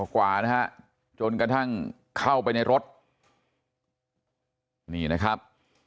กว่านะฮะจนกระทั่งเข้าไปในรถนี่นะครับ